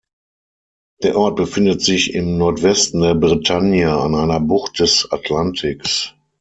Der Ort befindet sich im Nordwesten der Bretagne an einer Bucht des Atlantiks.